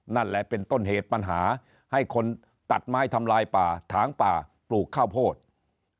นั่นแหละเป็นต้นเหตุปัญหาให้คนตัดไม้ทำลายป่าถางป่าปลูกข้าวโพด